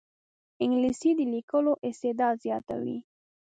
انګلیسي د لیکلو استعداد زیاتوي